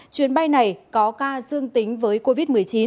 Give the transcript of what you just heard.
chuyến bay này có ca dương tính với covid một mươi chín